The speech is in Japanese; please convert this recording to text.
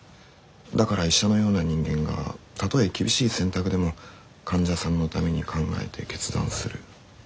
だから医者のような人間がたとえ厳しい選択でも患者さんのために考えて決断する。